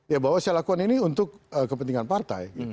ya bahwa saya lakukan ini untuk kepentingan partai